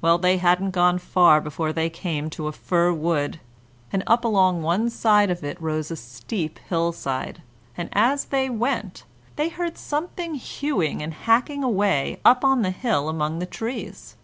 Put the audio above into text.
Well, they hadn't gone far before they came to a fir wood, and up along one side of it rose a steep hillside, and as they went, they heard something hewing and hacking away up on the hill among the trees.